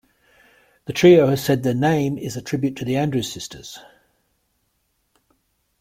The trio has said their name is a tribute to The Andrews Sisters.